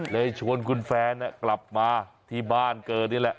ชวนคุณแฟนกลับมาที่บ้านเกิดนี่แหละ